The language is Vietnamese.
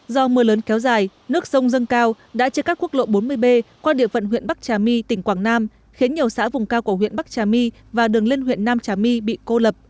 do mưa lớn kéo dài nước sông dâng cao đã trên các quốc lộ bốn mươi b qua địa phận huyện bắc trà my tỉnh quảng nam khiến nhiều xã vùng cao của huyện bắc trà my và đường lên huyện nam trà my bị cô lập